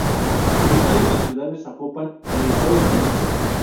Ubicado en la ciudad de Zapopan, en el estado de Jalisco.